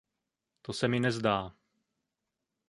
To se mi nezdá!